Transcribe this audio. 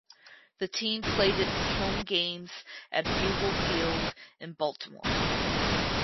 The team played its home games at Bugle Field in Baltimore.